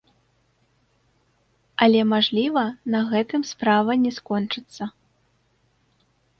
Але, мажліва, на гэтым справа не скончыцца.